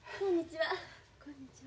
こんにちは。